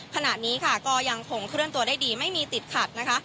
ขณะนี้ค่ะก็ยังคงเคลื่อนตัวได้ดีไม่มีติดขัดนะคะ